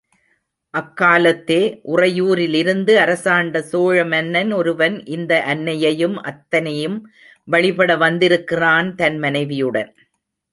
அக்காலத்தே உறையூரிலிருந்து அரசாண்ட சோழ மன்னன் ஒருவன், இந்த அன்னையையும் அத்தனையும் வழிபட வந்திருக்கிறான் தன் மனைவியுடன்.